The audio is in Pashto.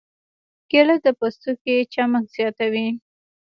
کېله د پوستکي چمک زیاتوي.